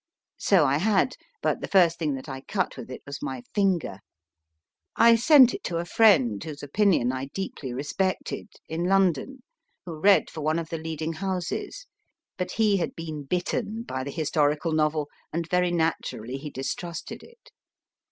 So I had, but the first thing that I cut with it was my finger. I sent it to a friend, whose opinion I deeply respected, in London, who read for one of the leading houses, but he had been bitten by the historical novel, and very naturally he distrusted it.